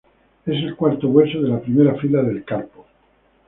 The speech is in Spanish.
Es el cuarto hueso de la primera fila del carpo.